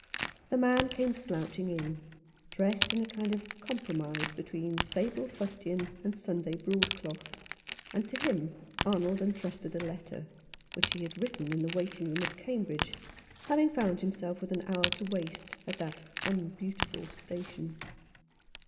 The man came slouching in, dressed in a kind of compromise between stable fustian and Sunday broadcloth ; and to him Arnold entrusted a letter which he had written in the waiting room at Cambridge, having found himself with an hour to waste at that unbeautiful station.